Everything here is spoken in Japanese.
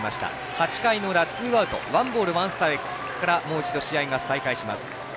８回の裏、ツーアウトワンボール、ワンストライクからもう一度、試合が再開します。